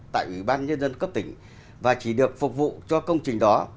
tại ủy ban nhân dân cấp tỉnh và chỉ được phục vụ cho công trình đó